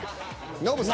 ノブさん。